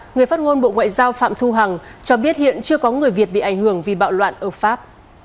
người phát ngôn bộ ngoại giao phạm thu hằng cho biết hiện chưa có người việt bị ảnh hưởng vì bạo loạn ở pháp